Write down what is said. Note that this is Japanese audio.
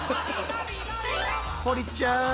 堀ちゃん